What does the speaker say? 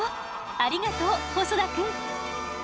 ありがとう細田くん。